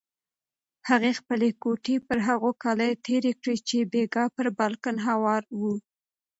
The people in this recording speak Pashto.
هغې خپلې ګوتې پر هغو کالیو تېرې کړې چې بېګا پر بالکن هوار وو.